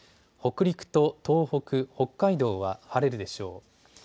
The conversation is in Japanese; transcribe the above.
北陸と東北、北海道は晴れるでしょう。